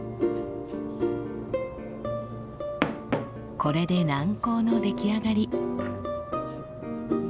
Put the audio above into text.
これで軟膏の出来上がり。